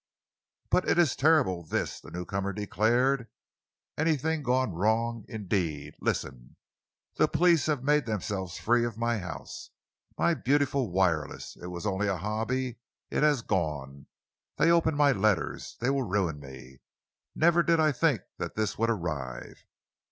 "But it is terrible, this!" the newcomer declared. "Anything gone wrong, indeed! Listen. The police have made themselves free of my house. My beautiful wireless it was only a hobby it has gone! They open my letters. They will ruin me. Never did I think that this would arrive!